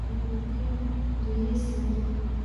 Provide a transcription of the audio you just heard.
ګروپي يا ډلييز ميتود: